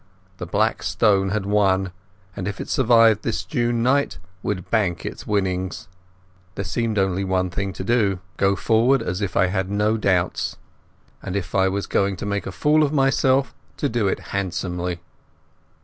The Black Stone had won, and if it survived this June night would bank its winnings. There seemed only one thing to do—go forward as if I had no doubts, and if I was going to make a fool of myself to do it handsomely.